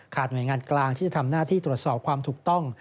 หน่วยงานกลางที่จะทำหน้าที่ตรวจสอบความถูกต้อง